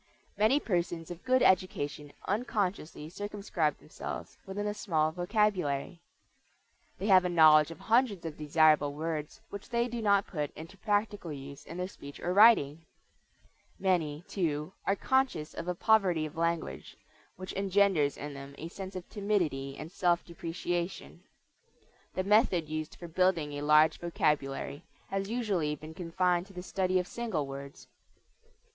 Many persons of good education unconsciously circumscribe themselves within a small vocabulary. They have a knowledge of hundreds of desirable words which they do not put into practical use in their speech or writing. Many, too, are conscious of a poverty of language, which engenders in them a sense of timidity and self depreciation. The method used for building a large vocabulary has usually been confined to the study of single words.